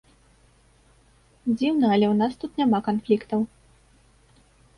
Дзіўна, але ў нас тут няма канфліктаў.